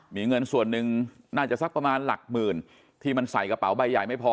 มีเงินส่วนหนึ่งน่าจะสักประมาณหลักหมื่นที่มันใส่กระเป๋าใบใหญ่ไม่พอ